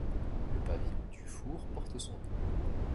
Le pavillon Dufour porte son nom.